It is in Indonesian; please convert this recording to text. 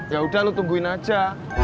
ya udah lu tungguin aja